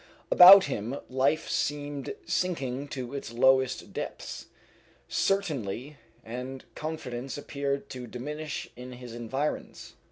About him life seemed sinking to its lowest depths. Certainty and confidence appeared to diminish in his environs.